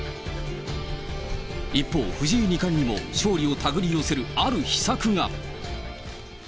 一方、藤井二冠にも勝利をたぐりよせるある秘策が。